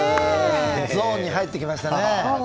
ゾーンに入ってきましたね。